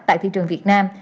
tại thị trường việt nam